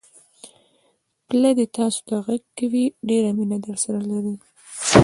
پلا دې تاسوته غږ کوي، ډېره مینه درسره لري!